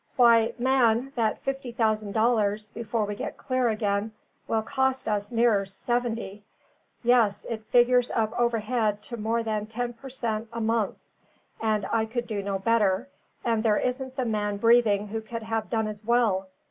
"Why, man, that fifty thousand dollars, before we get clear again, will cost us nearer seventy. Yes, it figures up overhead to more than ten per cent a month; and I could do no better, and there isn't the man breathing could have done as well.